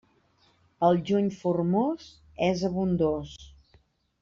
El juny formós és abundós.